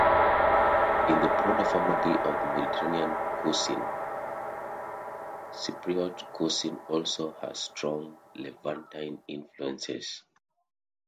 In the broader family of Mediterranean cuisine, Cypriot cuisine also has strong Levantine influences.